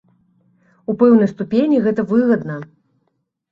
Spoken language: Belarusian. У пэўнай ступені гэта выгадна.